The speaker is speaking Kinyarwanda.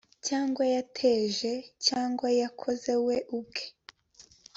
cyangwa yateje cyangwa yakoze we ubwe